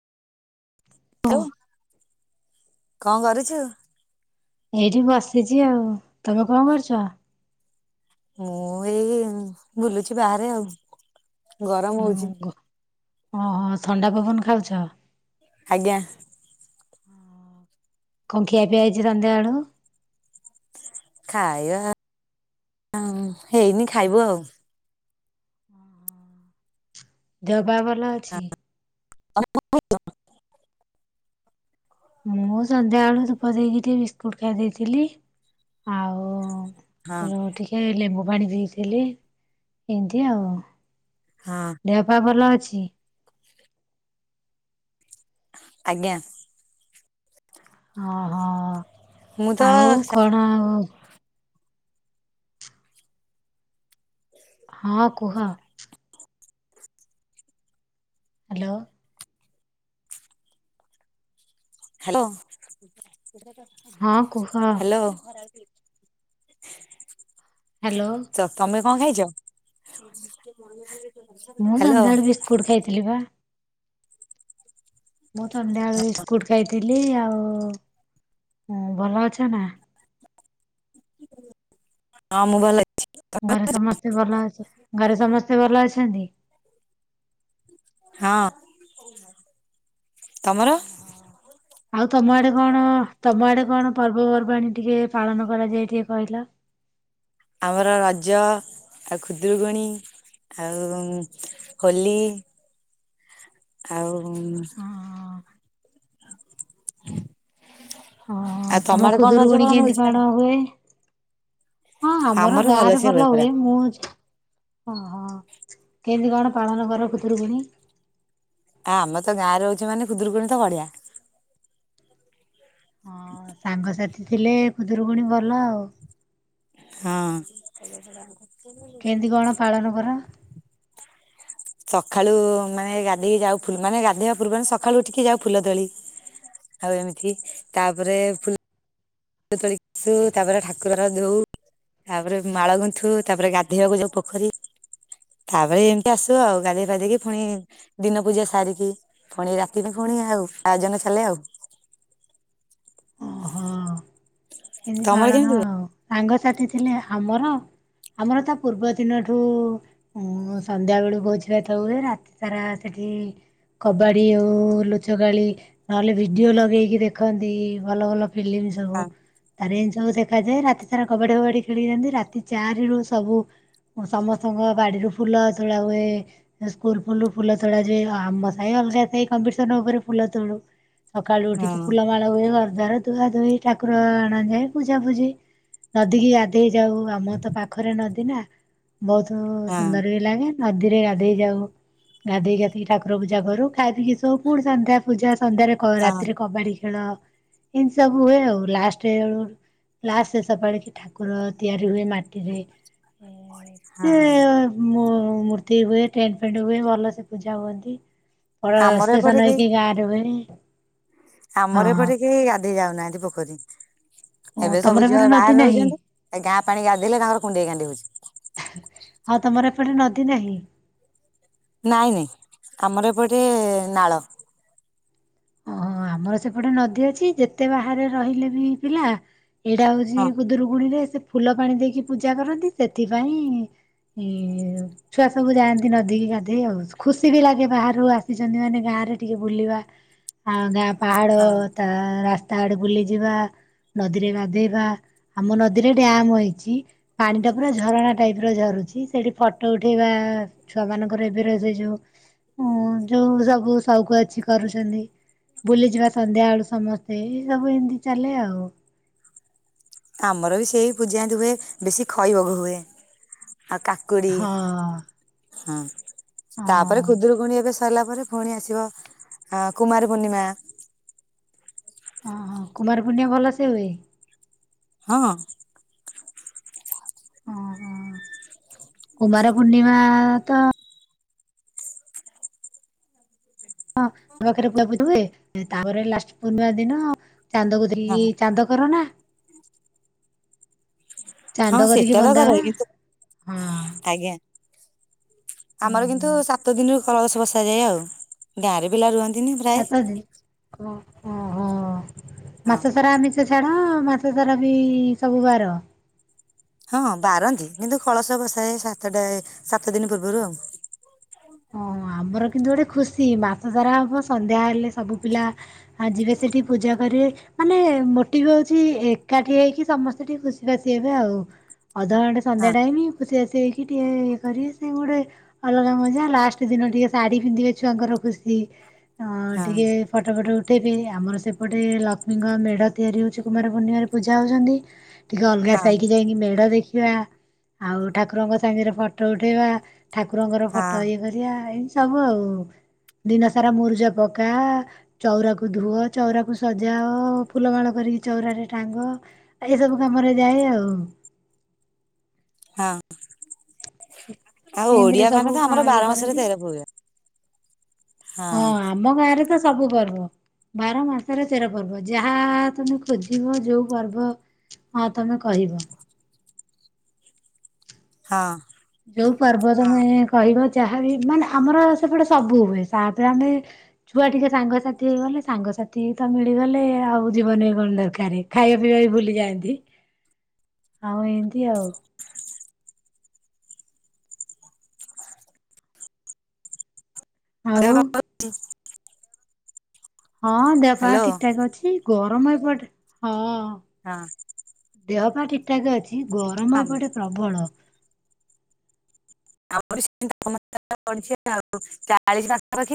ଓ ଆଉ କଣ କରୁଚୁ? ଏଇଠି ବସିଚି ଆଉ, ତମେ କଣ କରୁଚ? ମୁଁ ଏଇ ବୁଲୁଚି ବାହାରେ ଆଉ, ଗରମ ହଉଚି। ଘ ଅହ ଥଣ୍ଡା ପବନ ଖାଉଚ। ଆଜ୍ଞା। ଙ୍କ ଖିଆ ପିଆ ହେଇଚି ସନ୍ଧ୍ୟା ବେଳୁ! ଖାଇବା ଆଁ ହେଇନି ଖାଇବୁ ଆଉ। ଦେହ ପା ଭଲ ଅଛି। ଆ [unintelligible] [unintelligible] ମୁଁ ସନ୍ଧ୍ୟାବେଳୁ ଧୂପ ଦେଇକି ଟିକେ ବିସ୍କୁଟ ଖାଇ ଦେଇଥିଲି! ଆଉ ହଁ ମୁଁ ଟିକେ ଲେମ୍ବୁ ପାଣି ପିଇଥିଲି, ଏମିତି ଆଉ। ହଁ। ଦେହ ପା ଭଲ ଅଛି! ଆଜ୍ଞା! ଅ ହ ମୁଁ ତ ଆଉ କଣ ଆଉ ହଁ କୁହ ହାଲୋ! ହାଲୋ ହଁ କୁହ ହାଲୋ! ହାଲୋ! ତ ତମେ କଣ ଖାଇଚ! ମୋ ଟିକେ ମନେ ପଡୁନି! ମୁଁ ସନ୍ଧ୍ୟାବେଳେ ବିସ୍କୁଟ ଖାଇଥିଲିପା! ମୁଁ ସନ୍ଧ୍ୟାବେଳେ ବିସ୍କୁଟ ଖାଇଥିଲି, ଆଉ ଭଲ ଅଛନା! ହଁ ମୁଁ ଭଲଅଛ ଘରେ ସମସ୍ତେ ଭଲ ଅଚ ଘରେ ସମସ୍ତେ ଭଲ ଅଛନ୍ତି! ହଁ ତମର ଆଉ ତମ ଆଡେ କଣ ତମ ଆଡେ କଣ ପର୍ବପର୍ବାଣି ଟିକେ ପାଳନ କରାଯାଏ ଟିକେ କହିଲ! ଆମର ରଜ ଆଉ ଖୁଦୁରୁକୁଣୀ ଆଉଁ ହୋଲି ଆଉ [unintelligible] ଅ ଆଉ ତମ ଆଡେ କଣ ରଜ ଖୁଦୁରୁକୁଣି ପାଳନ କେମିତି ହଉଛି ନା କଣ ହୁଏ! ହଁ ଆମର ଗାଁ ରେ ଭଲ ହୁଏ! ମୁଁ ଜି ଅହ କେଏଁତେ କଣ ପାଳନ କର ଖୁଦୁରୁକୁଣି! ଆ ଆମେତ ଗାଁରେ ଅଛୁ ମାନେ ଖୁଦୁରୁକୁଣୀ ତ ବଡିଆ! ହଁ ସାଙ୍ଗସାଥି ଥିଲେ ଖୁଦରୁକୁୁଣୀ ଭଲ ଆଉ! ହଁ! କେଏଁତି କଣ ପାଳନ କର! ସକାଳୁ ମାନେ ଗାଧେଇ ଯାଉ ଫୁଲ୍ ମାନେ ଗାଧେଇବା ପୂର୍ବରୁ ସକାଳୁ ଉଠିକି ଯାଉ ଫୁଲ ତୋଳି! ଆଉ ଏମିତିକି କାଉପରେ ଫୁଲ୍ ଫୁଲ ତୋଳିକି ଆସୁ ତାପରେ ଠାକୁର ର ଧୋଉ! ତାପରେ ମାଳ ଗୁନ୍ଥୁ ତାପରେ ଗାଧେଇବାକୁ ଯାଉ ପୋଖରୀ! ଥାପରେ ଏମିତି ଆସୁ ଆଉ ଗାଧେଇ ପାଧେଇକି ପୁଣି ଦିନ ପୂଜା ସାରିକି ପୁଣି ରାତି ପୁଣି ଆଉ ଆୟୋଜନ ଚାଲେ ଆଉ! କେମତି ତମର ଛଡା କେମିତି ହବ ହୁଏ? ଆଉ ସାଙ୍ଗସାଥି ଥିଲେ ଆମର ଆମର ତା ପୂର୍ବଦିନଠୁ ସନ୍ଧ୍ୟା ବେଳୁ ଭୋଜିଭାତ ହୁଏ ରାତି ସାରା ସେଠି କବାଡ଼ି ଓ ଲୁଚ କାଳି ନହେଲେ ଭିଡିଓ ଲଗେଇକି ଦେଖନ୍ତି ଭଲ ଭଲ ଫିଲ୍ମ ସବୁ। ହଁ ତାର ଏମତି ସବୁ ଦେଖାଯାଏ ରାତି ସାରା କବାଡି ଫବାଡି ଖେଳିନ୍ତି ରାତି ଚାରି ରୁ ସବୁ ମ ସମସ୍ତଙ୍କ ବାଡ଼ିରୁ ଫୁଲ ତୋଳା ହୁଏ। ସ୍କୁଲ ଫୁଲୁରୁ ଫୁଲ ତୋଳା ଯାଏ ଆଉ ଆମ ସାଇ ଅଲଗା ସାଇ କମ୍ପଟିସନ ଉପରେ ଫୁଲ ତୋଳୁ। ସକାଳୁ ହଁ ଉଠିକି ଫୁଲମାଳ ହୁଏ ଘର ଦ୍ବାର ଧୁଆ ଧୋଇ ଠାକୁର ଆଣ ଯାଏ ପୂଜାପୁଝି ନଦୀ କିି ଗାଧେଇ ଯାଉ ଆମ ତ ପାଖରେ ନଦୀ ନା। ବହୁତ ହଁ ସୁନ୍ଦର ବି ଲାଗେ ନଦୀରେ ଗାଧେଇ ଯାଉ ଗାଧୋଇ ଆସିକି ଠାକୁର ପୂଜା କରୁ ଖାଇ ପିଇକି ଶୋଉ ପୁଣି ସନ୍ଧ୍ୟା ପୂଜା ସନ୍ଧ୍ୟାରେ କ ହଁ ରାତିରେ କବାଡ଼ି ଖେଳ ଏମିତି ସବୁ ହୁଏ ଆଉ ଲାଷ୍ଟଳୁ ଲାସ୍ ଶେଷ ପାଳି କି ଠାକୁର ତିଆରି ହୁଏ ମାଟିରେ ଏ ହଁ। ମୁ ମୂର୍ତ୍ତି ହୁଏ ଟେଣ୍ଟ ଫେଣ୍ଟ ହୁଏ ଭଲ ସେ ପୂଜା ହୁଅନ୍ତି। ଆମର ଏପଟେ ପ୍ରସେସନ କେହି ହେଇକି ଗାଁରେ ହୁଏ। ଆମର ହଁ। ଏପଟେ କେହି ଗାଧୋଇ ଯାଉନାହାନ୍ତି ପୋଖରୀ। ଓ ଏବେ ତମର ସବୁ ଏପଟେ ଝିଅ ନଦୀ ବାହାରେ ନାହିଁ ରହୁଛନ୍ତି ଗାଁ ପାଣି ଗାଧୋଇଲେ ତାଙ୍କର କୁଣ୍ଡେଇ କାଣ୍ଡେଇ ହଉଛି। ହଁ ତମର ଏପଟେ ନଦୀ ନାହିଁ? ନାଇଁ ନାଇଁ ଆମର ଏପଟେ ନାଳ। ଓହୋ ଆମର ସେପଟେ ନଦୀ ଅଛି ଯେତେ ବାହାରେ ରହିଲେ ବି ପିଲା ଏଇଟା ହଉଛି ହଁ ଖୁଦୁରୁକୁଣୀ ରେ ସେ ଫୁଲ ପାଣି ଦେଇକି ପୂଜା କରନ୍ତି ସେଥିପାଇଁ ଇ ଛୁଆ ସବୁ ଯାଆନ୍ତି ନଦୀ କିି ଗାଧେଇ ଆଉ ଖୁସି ବି ଲାଗେ ବାହାରୁ ଆସିଛନ୍ତି ମାନେ ଗାଁ ରେ ଟିକେ ବୁଲିବା। ଆଉ ଗାଁ ପାହାଡ଼ ତା ରାସ୍ ତା ଆଡେ ବୁଲି ଯିବା ନଦୀରେ ଗାଧେଇବା, ଆମ ନଦୀରେ ଡ୍ୟାମ ହେଇଛି। ପାଣି ଟା ପୁରା ଝରଣା ଟାଇପ ର ଝରୁଛି ସେଠି ଫଟୋ ଉଠେଇବା ଛୁଆ ମାନଙ୍କର ଏବେର ସେ ଯୋଉ ଉଁ ଯୋଉ ସବୁ ସଉକ ଅଛି କରୁଛନ୍ତି। ବୁଲିଯିବା ସନ୍ଧ୍ୟା ବେଳୁ ସମସ୍ତେ ଏଇ ସବୁ ଏମିତି ଚାଲେ ଆଉ। ଆମର ବି ସେଇ ପୂଜା ଏମତି ହୁଏ ବେଶୀ ଖଈ ଭୋଗ ହୁଏ। ଆଉ କାକୁଡି ହଁ ହୁଁ। ହଁ ତାପରେ ଖୁଦୁରୁକୁୁଣୀ ଏବେ ସରିଲା ପରେ ପୁଣି ଆସିବ କୁମାର ପୂର୍ଣ୍ଣିମା। ଅ ହଁ କୁମାର ପୁର୍ଣ୍ଣିମା ଭଲସେ ହୁଏ? ହଁ। ଓହୋ କୁମାର ପୂର୍ଣ୍ଣିମା ତ ହଁ ଆମ ପାଖରେ କୁପ ହୁଏ ତାପରେ ଲାଷ୍ଟ ପୂର୍ଣ୍ଣିମା ଦିନ ଚାନ୍ଦ କୁ ହଁ ଦେଖି ଚାନ୍ଦ କରୋନା। ହଁ ସେଟା ତା ଘର ହେଇ ତ ହଁ ଆଜ୍ଞା, ହୁଁ ଆମର କିନ୍ତୁ ହୁଁ ସାତ ଦିନରୁ କଳସ ବସା ଯାଏ ଆଉ ଗାଁ ରେ ପିଲା ରୁହନ୍ତି। ସାତ ଦିନ ଓ ହ ହ ହଁ ମାସ ସାରା ଆମିସ ଛାଡ ମାସ ସାର ବି ସବୁ ବାର ହଁ ବାରନ୍ତି କିନ୍ତୁ କଳସ ବସାଏ ସାତଟା ସାତ ଦିନ ପୂର୍ବରୁ ଆଉ। ହଁ ଆମର କିନ୍ତୁ ଗୋଟେ ଖୁସି ମାସ ଧରା ହବ ସନ୍ଧ୍ୟା ହେଲେ ସବୁ ପିଲା ଆଜି ବି ସେଠି ପୂଜା କରିବେ ମାନେ ମୋଟି ବି ହଉଛି ଏକାଠି ହେଇକି ସମସ୍ତେ ଟିକେ ଖୁସି ବାସି ହେବେ ଆଉ। ଅଧଘଣ୍ଟା ସନ୍ଧ୍ୟା ଆଉ ଟାଇମଁ ଖୁସି ଆସି ହେଇକି ଟିକେ ଇଏ କରିବେ ସେ ଗୋଟେ ଅଲଗା ମଜା। ଲାଷ୍ଟ ଦିନ ଟିକେ ଶାଢ଼ୀ ପିନ୍ଧିବେ ଛୁଆଙ୍କର ଖୁସି ଅ ହଁ ଟିକେ ଫଟୋ ଫଟ ଉଠେଇବି ଆମର ସେପଟେ ଲକ୍ଷ୍ମୀଙ୍କ ମେଢ ତିଆରି ହଉଛି କୁମାର ପୂର୍ଣ୍ଣିମାରେ ପୂଜା ହଉଛନ୍ତି। ଟିକେ ଅଲଗା ହଁ ସହିକି ଯାଇକି ମେଢ ଦେଖିବା ଆଉ ଠାକୁରଙ୍କ ସାଙ୍ଗରେ ଫଟୋ ଉଠେଇବା। ଠାକୁରଙ୍କର ହଁ ହଁ ଫଟୋ ଇଏ କରିବା ଏମିତି ସବୁ ଆଉ ଦିନ ସାରା ମୁରୁଜ ପକା ଠା ଚଉରାକୁ ଧୁଅ ଚଉରାକୁ ସଜାଅ ଫୁଲମାଳ କରିକି ଚଉରାରେ ଟାଙ୍ଗ। ଏଇ ସବୁ କାମରେ ଯାଏ ଆଉ। ହଁ। ଆଉ ଓଡିଆ ଏଇଥିରେ ମାନେ ସବୁ ତ କା ଆମର ଇଏ ବାର ମାସରେ କରନ୍ତି ତେର ପୂଜା ହଁ ଆ ଆମ ଗାଁରେ ତ ସବୁ ପର୍ବ। ବାର ମାସରେ ତେର ପର୍ବ ଯାହା ତମେ ଖୋଜିବ ଯୋଉ ପର୍ବ ହଁ ତମେ କହିବ। ହଁ। ଯୋଉ ପର୍ବ ତମେ କହିବ ଯାହାବି ମାନେ ଆମର ସେପଟେ ସବୁ ହୁଏ ତାପରେ ଆମେ ଛୁଆ ଟିକେ ସାଙ୍ଗସାଥି ହେଇଗଲେ ସାଙ୍ଗସାଥି ତ ମିଳିଗଲେ ଆଉ ଜୀବନ ବି କଣ ଦରକାର। ଖାଇବା ପିଇବା ବି ଭୁଲିଯାଆନ୍ତି। [inaudible] ଆଉ ଏମତି ଆଉ। ଆଉ [unintelligible] ହଁ ଦେବା ପା ହ୍ୟାଲୋ ଠିକଠାକ ଅଛି ଗରମ ଏପଡେ ହଁ। ହଁ। ଦେହ ପା ଠିକ ଠାକ ଅଛି ଗରମ ଏପଟେ ପ୍ରବଳ। [unintelligible]